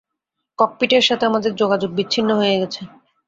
ককপিটের সাথে আমাদের যোগাযোগ বিচ্ছিন্ন হয়ে গেছে।